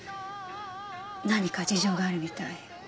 何か事情があるみたい。